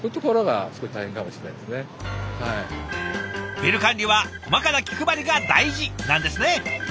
ビル管理は細かな気配りが大事なんですね。